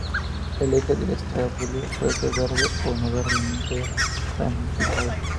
El eje del estróbilo puede ser verde o no verde, y nunca es ramificado.